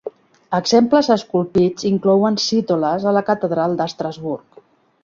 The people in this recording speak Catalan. Exemples esculpits inclouen cítoles a la catedral d'Estrasburg.